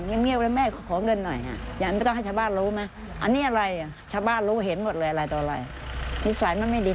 มึงต้องการอะไรมันมาบอกแม่